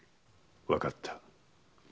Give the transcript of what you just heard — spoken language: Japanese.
わかった。